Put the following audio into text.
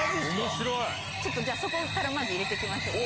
ちょっとじゃあそこからまず入れて行きましょうね。